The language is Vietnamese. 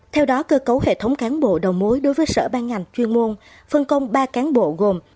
theo đó cơ cấu hệ thống cán bộ đầu mối đối với sở ban ngành chuyên môn phân công ba cán bộ gồm